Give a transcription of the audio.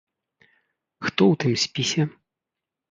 Хто ў тым спісе?